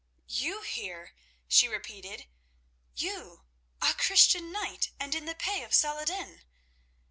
"You here?" she repeated, "you, a Christian knight, and in the pay of Saladin!"